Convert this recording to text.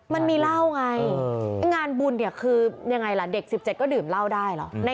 มันมีเหล้าไงงานบุญเนี่ยคือยังไงล่ะเด็ก๑๗ก็ดื่มเหล้าได้เหรอ